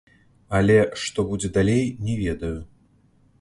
Але што будзе далей, не ведаю.